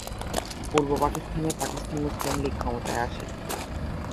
পূর্ব পাকিস্তানে পাকিস্তান মুসলিম লীগ ক্ষমতায় আসে।